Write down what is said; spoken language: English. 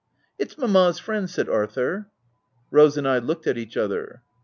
"It's Mamma's friend," said Arthur. Rose and I looked at each other.